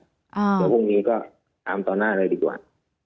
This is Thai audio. เดี๋ยวพรุ่งนี้ก็ตามต่อหน้าเลยดีกว่า